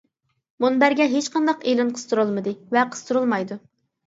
مۇنبەرگە ھېچقانداق ئېلان قىستۇرۇلمىدى ۋە قىستۇرۇلمايدۇ.